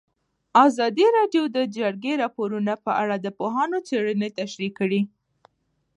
ازادي راډیو د د جګړې راپورونه په اړه د پوهانو څېړنې تشریح کړې.